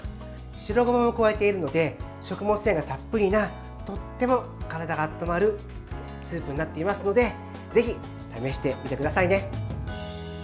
白ごまも加えているので食物繊維がたっぷりなとっても体が温まるスープになっていますのでぜひ試してみてくださいね。